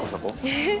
えっ！